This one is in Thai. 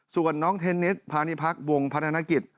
ส่วนน้องเทนนิสพาณิพักษ์วงพัฒนกิจ